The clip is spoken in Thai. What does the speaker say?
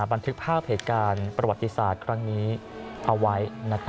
บันทึกภาพเหตุการณ์ประวัติศาสตร์ครั้งนี้เอาไว้